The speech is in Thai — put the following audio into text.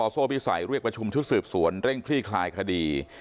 ส่วนเร่งคลี่คลายคดี